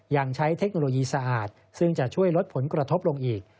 ยังใช้เทคโนโลยีสะอาดซึ่งจะช่วยลดผลกระทบลงอีก